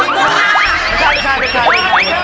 ไม่ใช่ไม่ใช่